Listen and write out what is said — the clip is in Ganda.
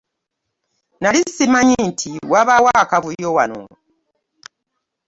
Nnali ssimanyi nti wabaawo akavuyo wano.